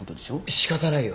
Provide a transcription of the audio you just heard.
仕方ないよ。